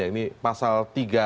ini pasal tiga puluh satu